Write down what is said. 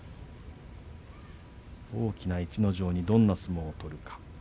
大きな逸ノ城にどんな相撲を取るのか。